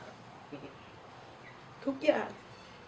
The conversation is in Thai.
แล้วบอกว่าไม่รู้นะ